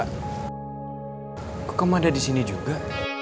kok kamu ada disini juga